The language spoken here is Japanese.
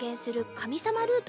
神様ルート？